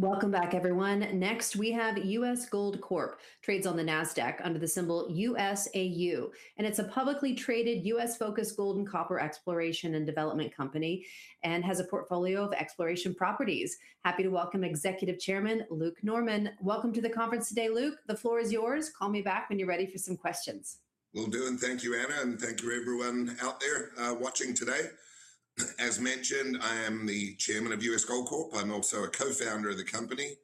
Welcome back, everyone. Next, we have U.S. Gold Corp, trades on the Nasdaq under the symbol USAU. It's a publicly traded U.S.-focused gold and copper exploration and development company and has a portfolio of exploration properties. Happy to welcome Executive Chairman Luke Norman. Welcome to the conference today, Luke. The floor is yours. Call me back when you're ready for some questions. Will do, and thank you, Anna, and thank you everyone out there watching today. As mentioned, I am the chairman of U.S. Gold Corp. I'm also a co-founder of the company.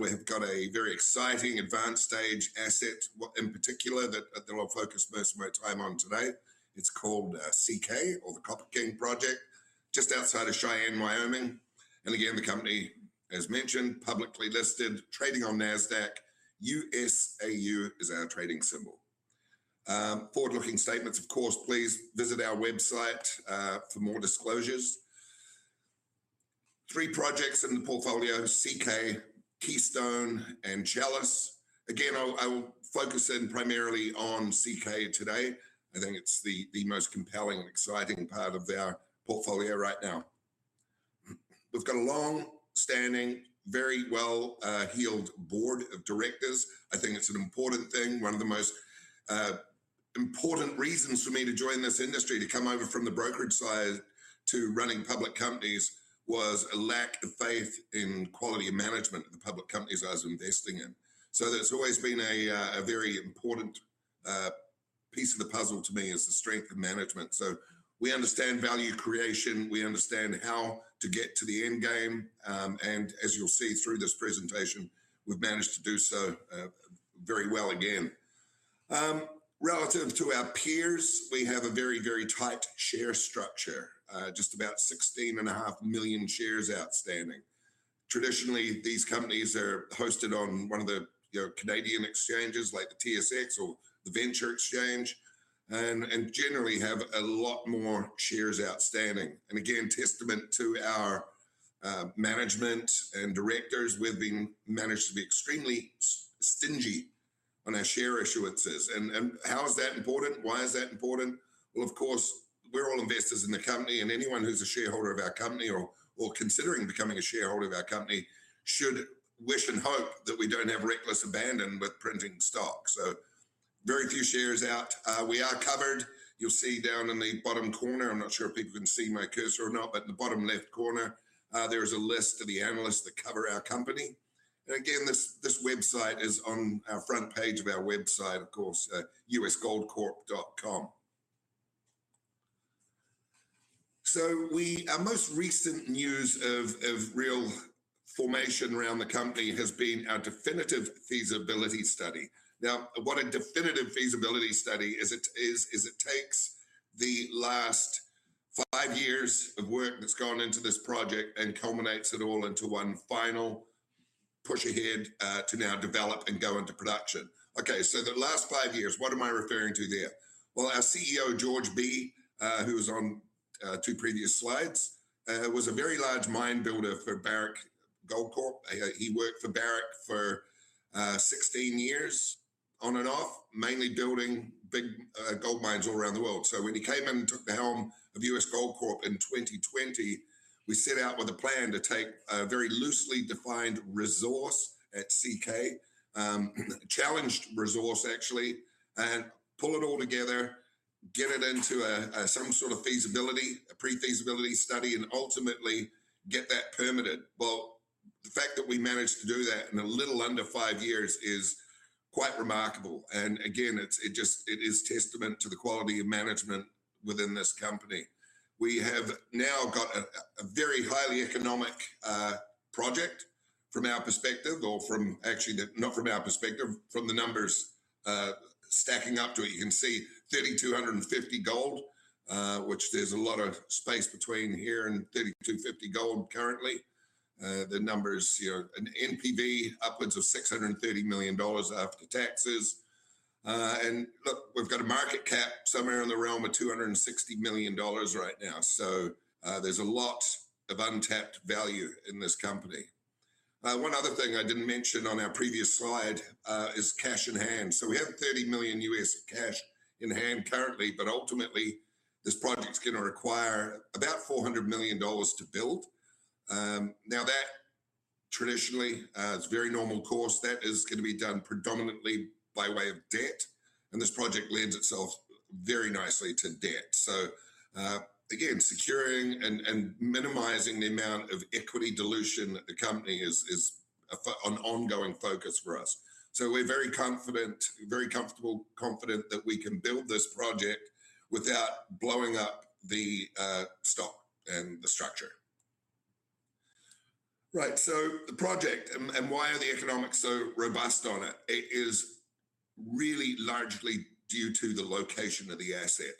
We have got a very exciting advanced-stage asset, in particular, that I'll focus most of my time on today. It's called CK or the Copper King project just outside of Cheyenne, Wyoming. Again, the company, as mentioned, publicly listed, trading on Nasdaq. USAU is our trading symbol. Forward-looking statements, of course, please visit our website for more disclosures. Three projects in the portfolio, CK, Keystone, and Chalice. I will focus in primarily on CK today. I think it's the most compelling and exciting part of our portfolio right now. We've got a longstanding, very well-heeled board of directors. I think it's an important thing. One of the most important reasons for me to join this industry, to come over from the brokerage side to running public companies, was a lack of faith in quality of management of the public companies I was investing in. That's always been a very important piece of the puzzle to me, is the strength of management. We understand value creation, we understand how to get to the end game, and as you'll see through this presentation, we've managed to do so very well again. Relative to our peers, we have a very tight share structure. Just about 16 and a half million shares outstanding. Traditionally, these companies are hosted on one of the Canadian exchanges, like the TSX or the Venture Exchange, and generally have a lot more shares outstanding. Again, testament to our management and directors, we've managed to be extremely stingy on our share issuances. How is that important? Why is that important? Of course, we're all investors in the company, and anyone who's a shareholder of our company or considering becoming a shareholder of our company should wish and hope that we don't have reckless abandon with printing stock. Very few shares out. We are covered. You'll see down in the bottom corner, I'm not sure if people can see my cursor or not, but in the bottom left corner, there is a list of the analysts that cover our company. Again, this website is on our front page of our website, of course, usgoldcorp.com. Our most recent news of real formation around the company has been our definitive feasibility study. What a definitive feasibility study is it takes the last five years of work that's gone into this project and culminates it all into one final push ahead to now develop and go into production. The last five years, what am I referring to there? Our CEO, George Bee, who was on two previous slides, was a very large mine builder for Barrick Gold Corp. He worked for Barrick for 16 years on and off, mainly building big gold mines all around the world. When he came in and took the helm of U.S. Gold Corp in 2020, we set out with a plan to take a very loosely defined resource at CK, challenged resource actually, and pull it all together, get it into some sort of feasibility, a pre-feasibility study, and ultimately get that permitted. The fact that we managed to do that in a little under five years is quite remarkable. Again, it is testament to the quality of management within this company. We have now got a very highly economic project from our perspective, or from actually not from our perspective, from the numbers stacking up to it. You can see 3,250 gold, which there's a lot of space between here and 3,250 gold currently. The numbers here, an NPV upwards of $630 million after taxes. Look, we've got a market cap somewhere in the realm of $260 million right now, so there's a lot of untapped value in this company. One other thing I didn't mention on our previous slide, is cash in hand. We have 30 million U.S. cash in hand currently, but ultimately, this project's going to require about $400 million to build. That traditionally, it's very normal course, that is going to be done predominantly by way of debt, this project lends itself very nicely to debt. Again, securing and minimizing the amount of equity dilution that the company is an ongoing focus for us. We're very confident, very comfortable, confident that we can build this project without blowing up the stock and the structure. Right. The project why are the economics so robust on it? It is really largely due to the location of the asset.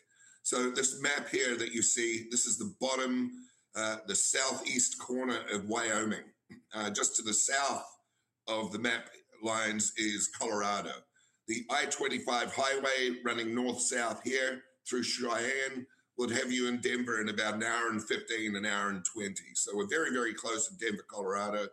This map here that you see, this is the bottom, the southeast corner of Wyoming. Just to the south of the map lines is Colorado. The I-25 highway running north-south here through Cheyenne would have you in Denver in about an hour and 15 minutes, an hour and 20 minutes. We're very close to Denver, Colorado.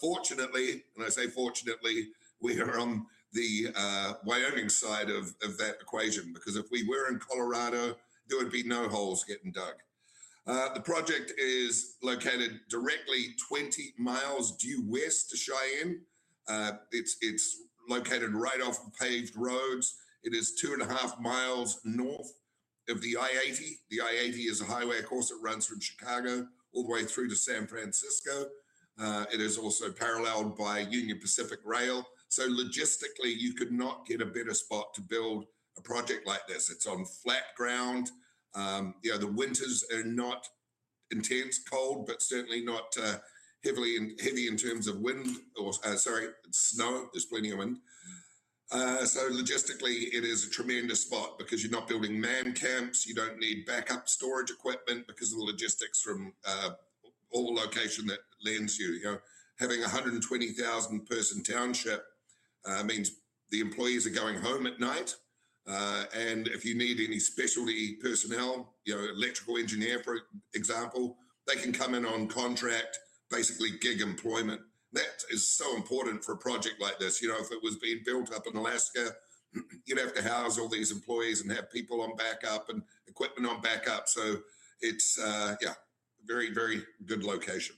Fortunately, when I say fortunately, we are on the Wyoming side of that equation, because if we were in Colorado, there would be no holes getting dug. The project is located directly 20 miles due west of Cheyenne. It's located right off paved roads. It is two and a half miles north of the I-80. The I-80 is a highway, of course, that runs from Chicago all the way through to San Francisco. It is also paralleled by Union Pacific Rail. Logistically, you could not get a better spot to build a project like this. It's on flat ground. The winters are not intense cold, but certainly not heavy in terms of wind or, sorry, snow. There's plenty of wind. Logistically, it is a tremendous spot because you're not building man camps, you don't need backup storage equipment because of the logistics from all the location that lends you. Having 120,000-person township means the employees are going home at night. If you need any specialty personnel, electrical engineer, for example, they can come in on contract, basically gig employment. That is so important for a project like this. If it was being built up in Alaska, you'd have to house all these employees and have people on backup and equipment on backup. It's a very good location.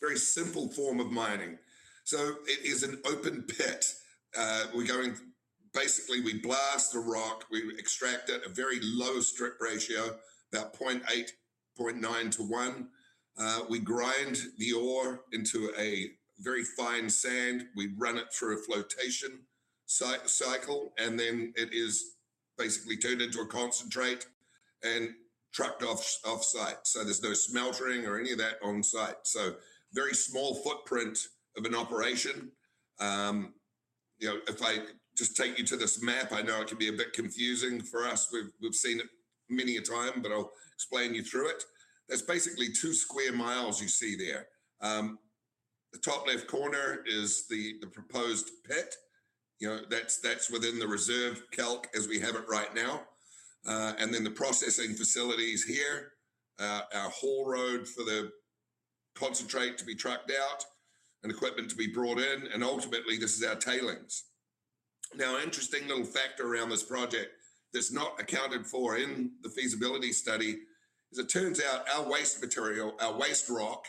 Very simple form of mining. It is an open pit. Basically, we blast the rock, we extract it at a very low strip ratio, about 0.8, 0.9:1. We grind the ore into a very fine sand. We run it through a flotation cycle, then it is basically turned into a concentrate and trucked offsite. There's no smeltering or any of that on-site. Very small footprint of an operation. If I just take you to this map, I know it can be a bit confusing. For us, we've seen it many a time, but I'll explain you through it. There's basically 2 sq mi you see there. The top left corner is the proposed pit. That's within the reserve calc as we have it right now. Then the processing facility's here. Our haul road for the concentrate to be trucked out and equipment to be brought in, and ultimately, this is our tailings. Interesting little fact around this project that's not accounted for in the definitive feasibility study is it turns out our waste material, our waste rock,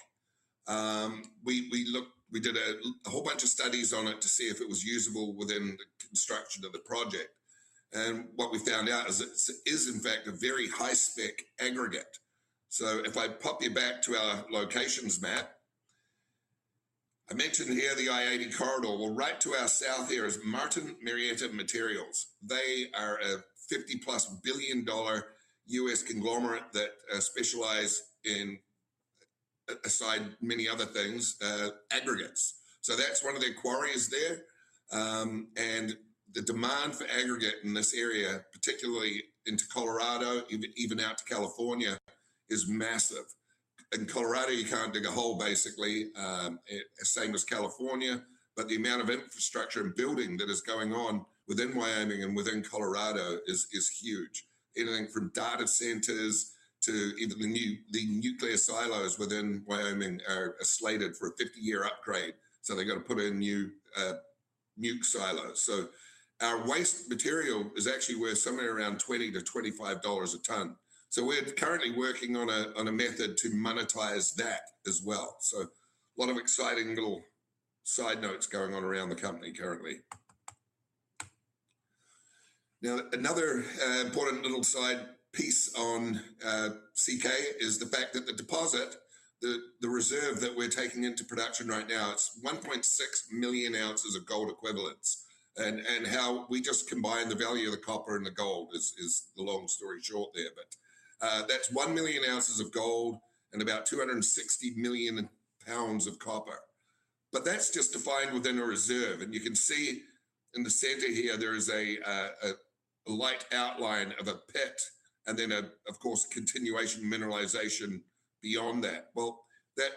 we did a whole bunch of studies on it to see if it was usable within the construction of the project. What we found out is it is, in fact, a very high-spec aggregate. If I pop you back to our locations map. I mentioned here the I-80 corridor. Well, right to our south here is Martin Marietta Materials. They are a $50-plus billion U.S. conglomerate that specialize in, aside many other things, aggregates. That's one of their quarries there. The demand for aggregate in this area, particularly into Colorado, even out to California, is massive. In Colorado, you can't dig a hole, basically, same as California, but the amount of infrastructure and building that is going on within Wyoming and within Colorado is huge. Anything from data centers to even the nuclear silos within Wyoming are slated for a 50-year upgrade. They've got to put in new nuke silos. Our waste material is actually worth somewhere around $20-25 a ton. We're currently working on a method to monetize that as well. A lot of exciting little side notes going on around the company currently. Another important little side piece on CK is the fact that the deposit, the reserve that we're taking into production right now, it's 1.6 million ounces of gold equivalents. How we just combine the value of the copper and the gold is the long story short there. That's 1 million ounces of gold and about 260 million pounds of copper. That's just defined within a reserve. You can see in the center here, there is a light outline of a pit and then, of course, continuation mineralization beyond that. Well, that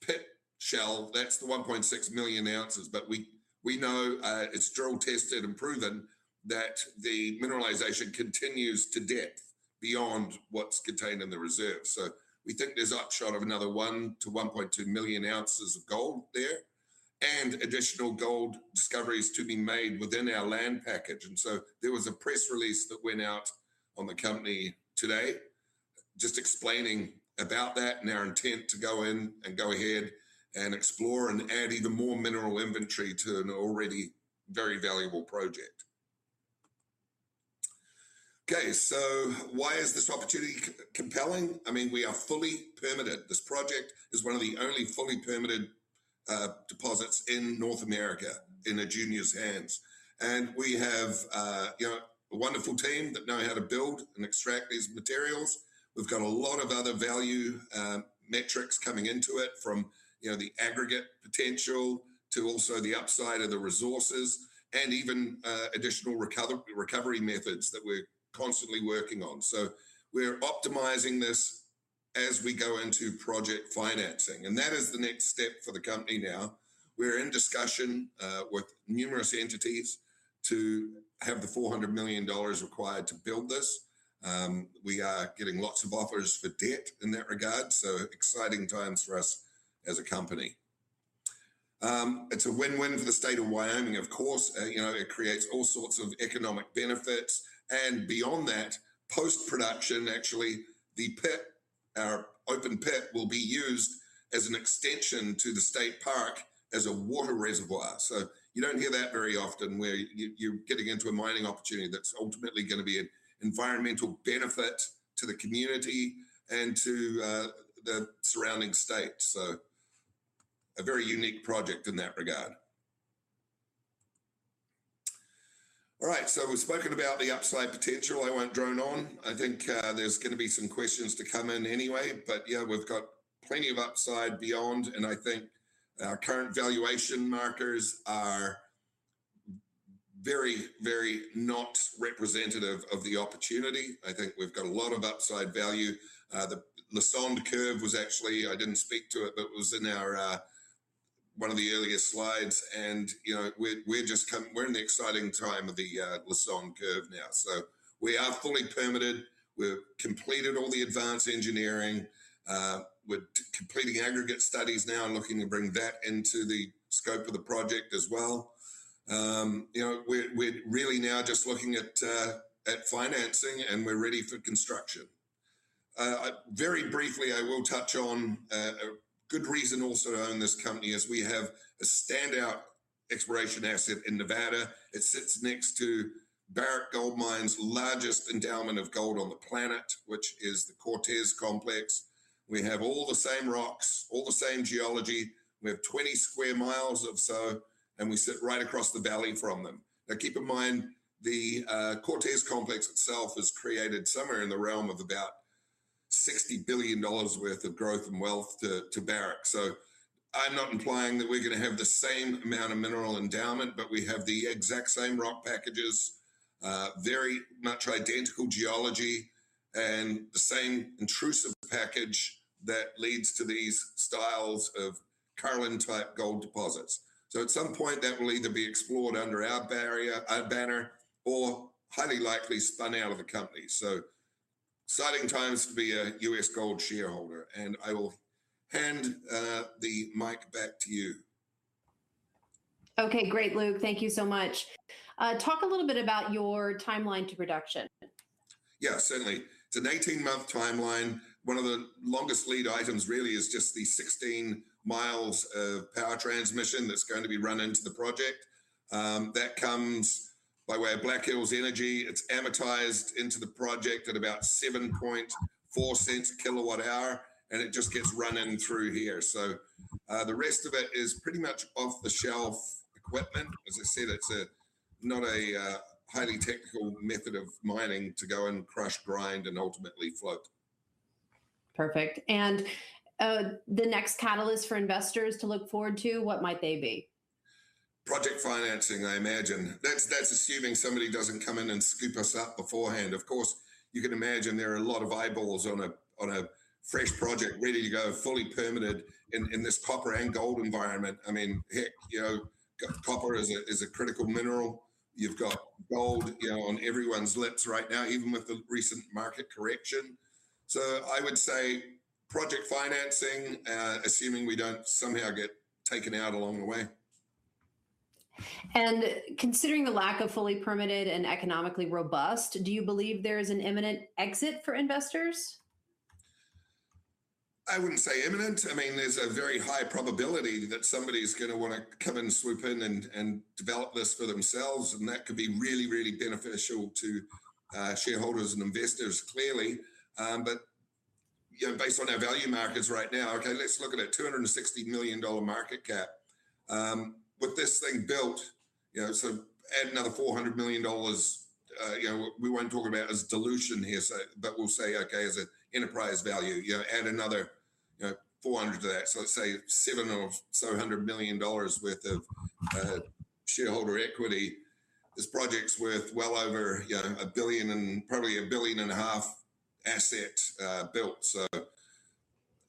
pit shell, that's the 1.6 million ounces, but we know it's drill-tested and proven that the mineralization continues to depth beyond what's contained in the reserve. We think there's upshot of another one to 1.2 million ounces of gold there and additional gold discoveries to be made within our land package. There was a press release that went out on the company today just explaining about that and our intent to go in and go ahead and explore and add even more mineral inventory to an already very valuable project. Why is this opportunity compelling? We are fully permitted. This project is one of the only fully permitted deposits in North America in a junior's hands. We have a wonderful team that know how to build and extract these materials. We've got a lot of other value metrics coming into it from the aggregate potential to also the upside of the resources and even additional recovery methods that we're constantly working on. We're optimizing this as we go into project financing, and that is the next step for the company now. We're in discussion with numerous entities to have the $400 million required to build this. We are getting lots of offers for debt in that regard, so exciting times for us as a company. It's a win-win for the state of Wyoming, of course. It creates all sorts of economic benefits and beyond that, post-production, actually, the pit, our open pit, will be used as an extension to the state park as a water reservoir. You don't hear that very often where you're getting into a mining opportunity that's ultimately going to be an environmental benefit to the community and to the surrounding state. A very unique project in that regard. We've spoken about the upside potential. I won't drone on. I think there's going to be some questions to come in anyway, but yeah, we've got plenty of upside beyond and I think our current valuation markers are very, very not representative of the opportunity. I think we've got a lot of upside value. The Lassonde curve was actually, I didn't speak to it, but it was in one of the earlier slides and we're in the exciting time of the Lassonde curve now. We are fully permitted. We've completed all the advanced engineering. We're completing aggregate studies now and looking to bring that into the scope of the project as well. We're really now just looking at financing and we're ready for construction. Very briefly, I will touch on a good reason also to own this company as we have a standout exploration asset in Nevada. It sits next to Barrick Gold Mine's largest endowment of gold on the planet, which is the Cortez Complex. We have all the same rocks, all the same geology. We have 20 square miles or so, and we sit right across the valley from them. Keep in mind, the Cortez Complex itself has created somewhere in the realm of about $60 billion worth of growth and wealth to Barrick. I'm not implying that we're going to have the same amount of mineral endowment, but we have the exact same rock packages. Very much identical geology and the same intrusive package that leads to these styles of Carlin-type gold deposits. At some point that will either be explored under our banner or highly likely spun out of the company. Exciting times to be a U.S. Gold shareholder and I will hand the mic back to you. Great, Luke. Thank you so much. Talk a little bit about your timeline to production. Certainly. It's an 18-month timeline. One of the longest lead items really is just the 16 miles of power transmission that's going to be run into the project. That comes by way of Black Hills Energy. It's amortized into the project at about $0.0740 a kilowatt hour and it just gets run in through here. The rest of it is pretty much off-the-shelf equipment. As I said, it's not a highly technical method of mining to go and crush, grind, and ultimately float. Perfect. The next catalyst for investors to look forward to, what might they be? Project financing, I imagine. That's assuming somebody doesn't come in and scoop us up beforehand. Of course, you can imagine there are a lot of eyeballs on a fresh project ready to go, fully permitted in this copper and gold environment. I mean, heck, copper is a critical mineral. You've got gold on everyone's lips right now, even with the recent market correction. I would say project financing, assuming we don't somehow get taken out along the way. Considering the lack of fully permitted and economically robust, do you believe there is an imminent exit for investors? I wouldn't say imminent. There's a very high probability that somebody's going to want to come and swoop in and develop this for themselves and that could be really, really beneficial to shareholders and investors, clearly. Based on our value markets right now, okay, let's look at a $260 million market cap. With this thing built, add another $400 million. We won't talk about it as dilution here, but we'll say, okay, as an enterprise value, add another $400 to that. Let's say seven or $700 million worth of shareholder equity. This project's worth well over a billion and probably a billion and a half asset built.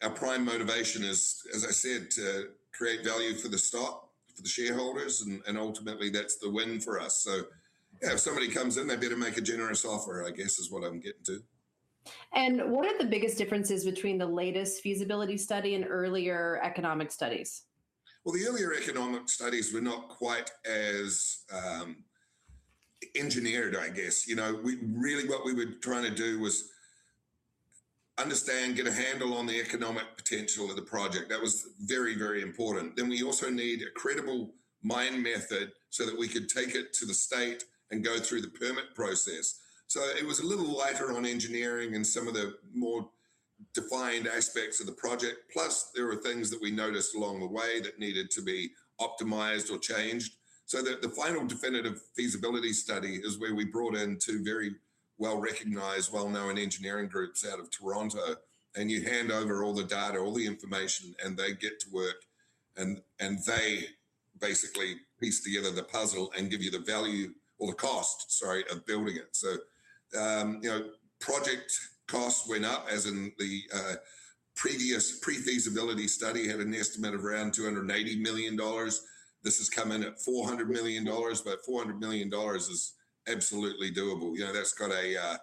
Our prime motivation is, as I said, to create value for the stock, for the shareholders and ultimately that's the win for us. If somebody comes in, they better make a generous offer, I guess, is what I'm getting to. What are the biggest differences between the latest feasibility study and earlier economic studies? Well, the earlier economic studies were not quite as engineered, I guess. Really what we were trying to do was understand, get a handle on the economic potential of the project. That was very, very important. We also need a credible mine method so that we could take it to the state and go through the permit process. It was a little lighter on engineering and some of the more defined aspects of the project. Plus, there were things that we noticed along the way that needed to be optimized or changed. The final definitive feasibility study is where we brought in two very well-recognized, well-known engineering groups out of Toronto. You hand over all the data, all the information, and they get to work. They basically piece together the puzzle and give you the value or the cost, sorry, of building it. Project costs went up as in the previous pre-feasibility study had an estimate of around $280 million. This has come in at $400 million. $400 million is absolutely doable. That's got a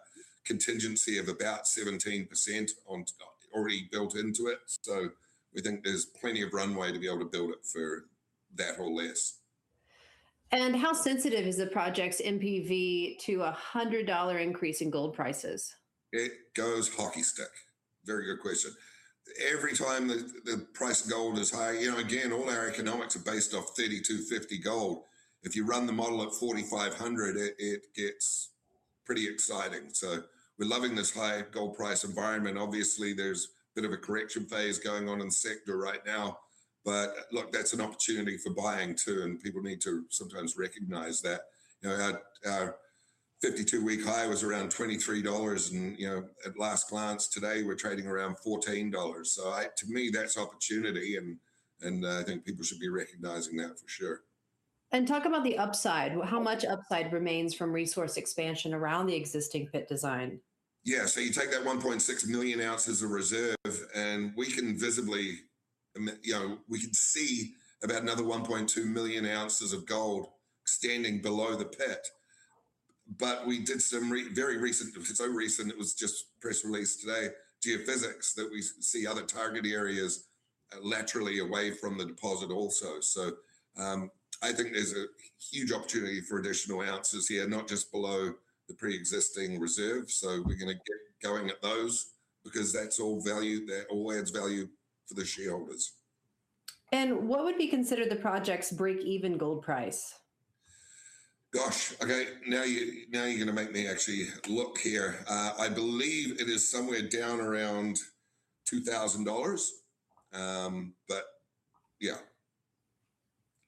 contingency of about 17% already built into it. We think there's plenty of runway to be able to build it for that or less. How sensitive is the project's NPV to a $100 increase in gold prices? It goes hockey stick. Very good question. Every time the price of gold is high, again, all our economics are based off $3,250 gold. If you run the model at $4,500, it gets pretty exciting. We're loving this high gold price environment. Obviously, there's a bit of a correction phase going on in the sector right now. Look, that's an opportunity for buying too, and people need to sometimes recognize that. Our 52-week high was around $23, and at last glance today we're trading around $14. To me, that's opportunity, and I think people should be recognizing that for sure. Talk about the upside. How much upside remains from resource expansion around the existing pit design? Yeah. You take that 1.6 million ounces of reserve and we can see about another 1.2 million ounces of gold standing below the pit. We did some very recent, it's so recent it was just press released today, geophysics that we see other target areas laterally away from the deposit also. I think there's a huge opportunity for additional ounces here, not just below the preexisting reserve. We're going to get going at those because that all adds value for the shareholders. What would be considered the project's break-even gold price? Gosh. Okay. Now you're going to make me actually look here. I believe it is somewhere down around $2,000. Yeah.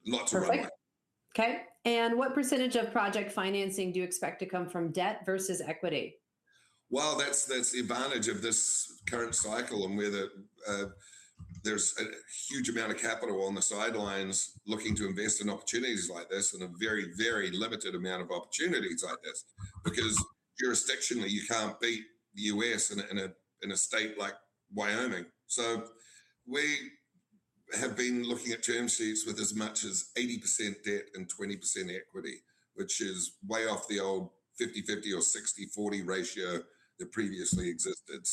Lots of runway. Perfect. Okay. What percentage of project financing do you expect to come from debt versus equity? Well, that's the advantage of this current cycle and where there's a huge amount of capital on the sidelines looking to invest in opportunities like this and a very limited amount of opportunities like this. Because jurisdictionally, you can't beat the U.S. in a state like Wyoming. We have been looking at term sheets with as much as 80% debt and 20% equity, which is way off the old 50/50 or 60/40 ratio that previously existed.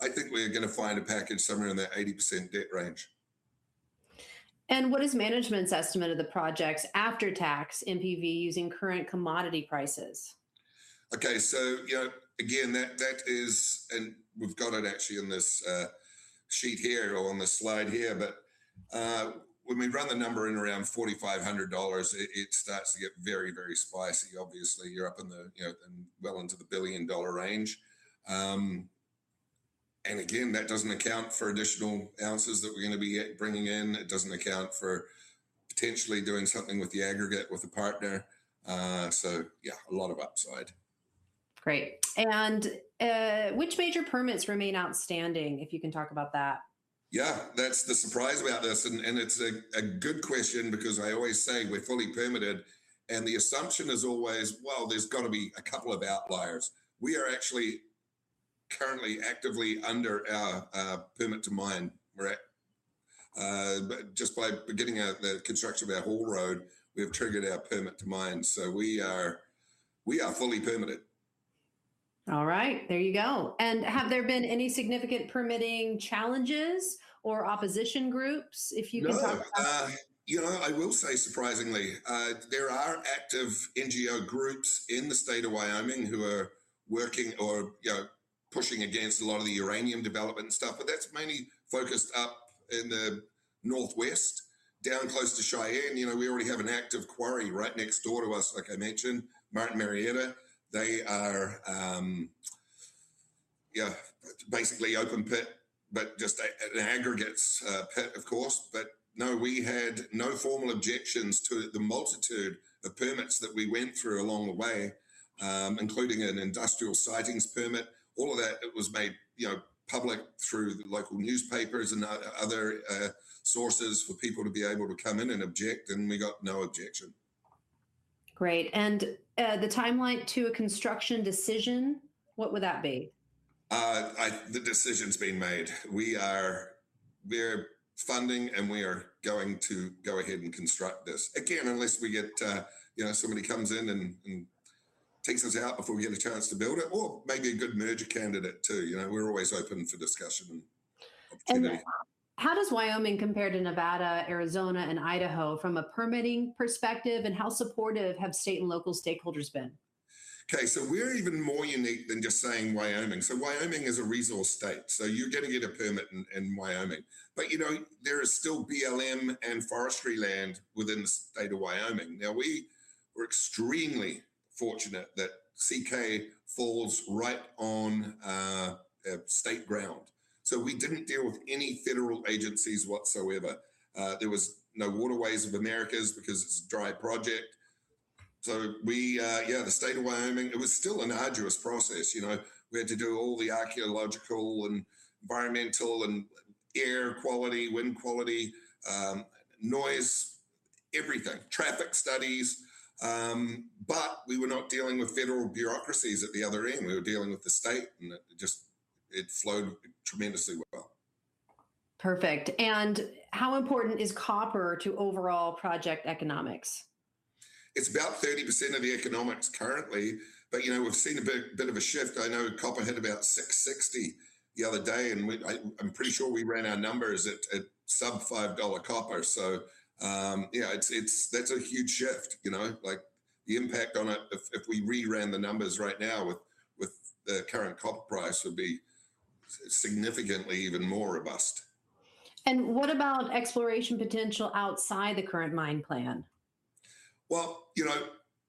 I think we're going to find a package somewhere in that 80% debt range. What is management's estimate of the project's after-tax NPV using current commodity prices? Okay. Again, we've got it actually on the slide here. When we run the number in around $4,500, it starts to get very spicy. Obviously, you're up well into the billion-dollar range. Again, that doesn't account for additional ounces that we're going to be bringing in. It doesn't account for potentially doing something with the aggregate with a partner. Yeah, a lot of upside. Great. Which major permits remain outstanding, if you can talk about that? Yeah. That's the surprise about this. It's a good question because I always say we're fully permitted. The assumption is always, well, there's got to be a couple of outliers. We are actually currently actively under our permit to mine. Just by beginning the construction of our haul road, we have triggered our permit to mine. We are fully permitted. All right. There you go. Have there been any significant permitting challenges or opposition groups, if you can talk about that? No. I will say surprisingly, there are active NGO groups in the state of Wyoming who are working or pushing against a lot of the uranium development stuff. That's mainly focused up in the northwest, down close to Cheyenne. We already have an active quarry right next door to us, like I mentioned, Martin Marietta. They are basically open pit, but just an aggregates pit, of course. No, we had no formal objections to the multitude of permits that we went through along the way, including an industrial siting permit. All of that, it was made public through local newspapers and other sources for people to be able to come in and object, and we got no objection. Great. The timeline to a construction decision, what would that be? The decision's been made. We're funding and we are going to go ahead and construct this. Again, unless somebody comes in and takes us out before we get a chance to build it or maybe a good merger candidate, too. We're always open for discussion and opportunity. How does Wyoming compare to Nevada, Arizona, and Idaho from a permitting perspective, and how supportive have state and local stakeholders been? Okay. We're even more unique than just saying Wyoming. Wyoming. Wyoming is a resource state, you're going to get a permit in Wyoming. There is still BLM and forestry land within the state of Wyoming. Now, we were extremely fortunate that CK falls right on state ground. We didn't deal with any federal agencies whatsoever. There was no Waters of the United States because it's a dry project. The state of Wyoming, it was still an arduous process. We had to do all the archaeological and environmental and air quality, wind quality, noise, everything, traffic studies. We were not dealing with federal bureaucracies at the other end. We were dealing with the state, and it flowed tremendously well. Perfect. How important is copper to overall project economics? It's about 30% of the economics currently. We've seen a bit of a shift. I know copper hit about 660 the other day, and I'm pretty sure we ran our numbers at sub $5 copper. That's a huge shift. The impact on it if we reran the numbers right now with the current copper price would be significantly even more robust. What about exploration potential outside the current mine plan?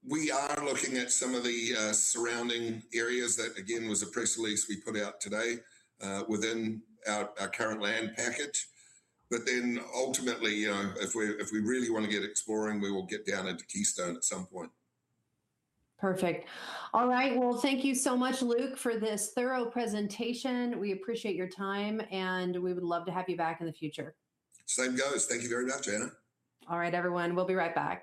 We are looking at some of the surrounding areas that, again, was a press release we put out today within our current land package. Ultimately, if we really want to get exploring, we will get down into Keystone at some point. Perfect. All right. Thank you so much, Luke, for this thorough presentation. We appreciate your time, and we would love to have you back in the future. Same goes. Thank you very much, Anna. All right, everyone, we'll be right back